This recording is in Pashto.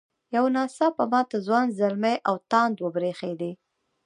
یو نا څاپه ماته ځوان زلمي او تاند وبرېښدې.